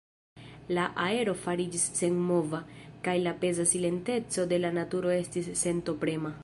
La aero fariĝis senmova, kaj la peza silenteco de la naturo estis sentoprema.